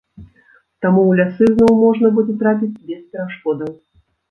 Таму ў лясы зноў можна будзе трапіць без перашкодаў.